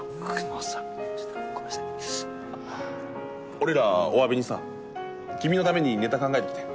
俺らおわびにさ君のためにネタ考えてきてん。